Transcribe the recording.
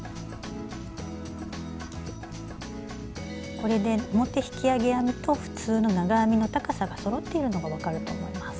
これで表引き上げ編みと普通の長編みの高さがそろっているのが分かると思います。